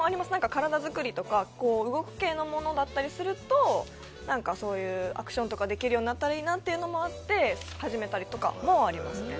体作りとか動く系のものだったりするとアクションとかできるようになったらいいなとかで始めたりとかもありますね。